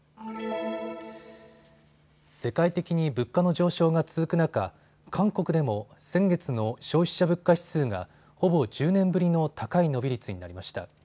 世界的に物価の上昇が続く中、韓国でも先月の消費者物価指数がほぼ１０年ぶりの高い伸び率になりました。